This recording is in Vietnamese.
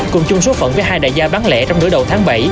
cùng chung số phận với hai đại gia bán lẻ trong nửa đầu tháng bảy